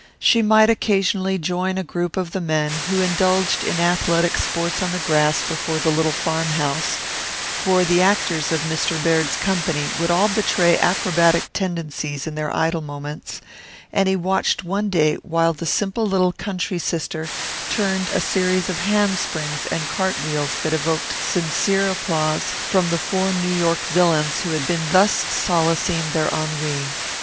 She might occasionally join a group of the men who indulged in athletic sports on the grass before the little farmhouse for the actors of Mr. Baird's company would all betray acrobatic tendencies in their idle moments and he watched one day while the simple little country sister turned a series of hand springs and cart wheels that evoked sincere applause from the four New York villains who had been thus solacing their ennui.